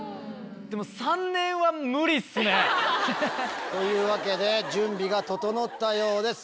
でも３年は無理っすね。というわけで準備が整ったようです。